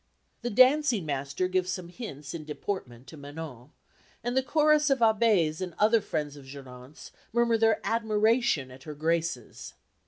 The dancing master gives some hints in deportment to Manon, and the chorus of Abbés and other friends of Geronte's murmur their admiration at her graces.